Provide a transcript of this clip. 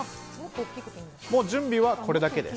もう準備はこれだけです。